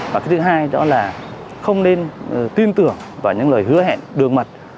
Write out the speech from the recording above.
và cái thứ hai đó là không nên tin tưởng vào những lời hứa hẹn đường mặt